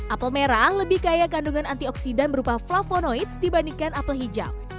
apel merah lebih kaya kandungan antioksidan berupa flavonoids dibandingkan apel hijau